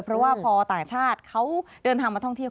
เพราะว่าพอต่างชาติเขาเดินทางมาท่องเที่ยว